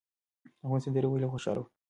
هغوی سندرې ویلې او خوشاله وو.